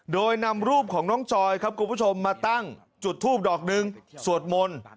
โดยนำรูปของน้องจอยครับคุณผู้ชมมาตั้งจุดทูบดอกหนึ่งสวดมนต์